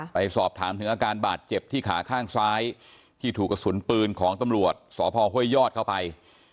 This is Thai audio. ไปสอบถามถึงอาการบาดเจ็บที่ขาข้างซ้ายที่ถูกกระสุนปืนของตำรวจสพห้วยยอดเข้าไป